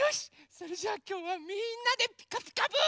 それじゃあきょうはみんなで「ピカピカブ！」。